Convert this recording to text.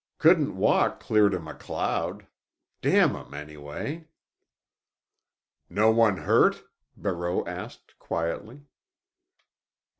Couldn't walk clear to MacLeod. Damn 'em, anyway!" "No one hurt?" Barreau asked quietly.